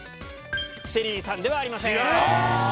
ＳＨＥＬＬＹさんではありません。